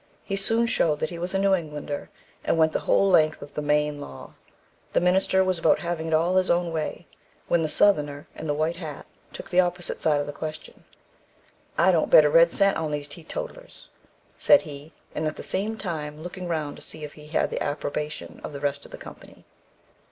He soon showed that he was a New Englander, and went the whole length of the "Maine Law." The minister was about having it all his own way, when the Southerner, in the white hat, took the opposite side of the question. "I don't bet a red cent on these teetotlars," said he, and at the same time looking round to see if he had the approbation of the rest of the company.